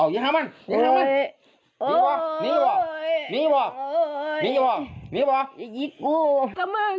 อย่าทำมันอย่าทำมันอย่าทำมัน